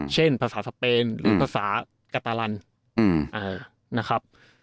ภาษาสเปนหรือภาษากะตาลันนะครับ